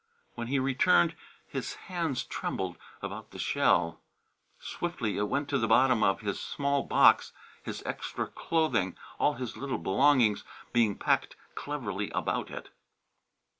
When he returned his hands trembled about the shell. Swiftly it went to the bottom of his small box, his extra clothing, all his little belongings, being packed cleverly about it.